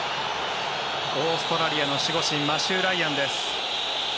オーストラリアの守護神マシュー・ライアンです。